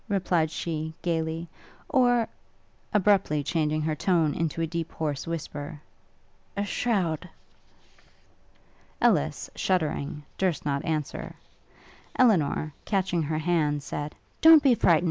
replied she, gaily; 'or ...' abruptly changing her tone into a deep hoarse whisper, 'a shroud?' Ellis, shuddering, durst not answer. Elinor, catching her hand said, 'Don't be frightened!